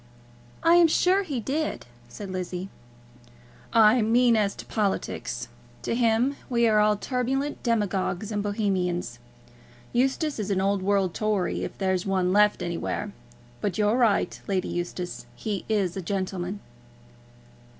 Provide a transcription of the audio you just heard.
"I am sure he did," said Lizzie. "I mean as to politics. To him we are all turbulent demagogues and Bohemians. Eustace is an old world Tory, if there's one left anywhere. But you're right, Lady Eustace; he is a gentleman."